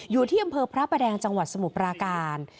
อยู่ที่อำเภอพระประแดงจังหวัดสมุทรปราการ